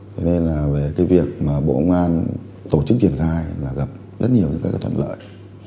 cho nên là về cái việc mà bộ công an tổ chức triển khai là gặp rất nhiều những cái thuận lợi